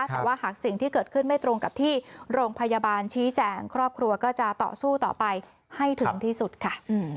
แต่ว่าหากสิ่งที่เกิดขึ้นไม่ตรงกับที่โรงพยาบาลชี้แจงครอบครัวก็จะต่อสู้ต่อไปให้ถึงที่สุดค่ะ